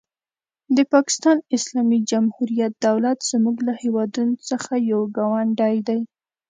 د پاکستان اسلامي جمهوري دولت زموږ له هېوادونو څخه یو ګاونډی دی.